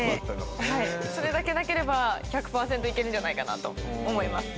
それだけなければ１００パーセント行けるんじゃないかなと思います。